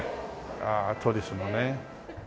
ああトリスのね。